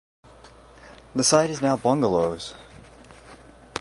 The site is now bungalows.